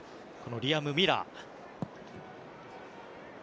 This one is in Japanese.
リアム・ミラー。